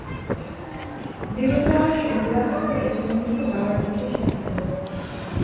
যেদিন তাহার সঙ্গীরা থাকে, সেদিন কিন্তু বাবার দিকে সে যায় না।